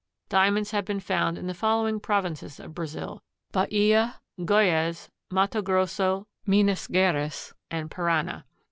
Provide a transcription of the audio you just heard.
Diamonds have been found in the following provinces of Brazil: Bahia, Goyaz, Matto Grosso, Minas Geraes and Parana.